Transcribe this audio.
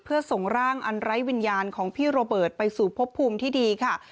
เพื่อส่งร่างอันไร้วิญญาณของพี่โรเบิร์ตไปสู่พบภูมิที่ดีค่ะ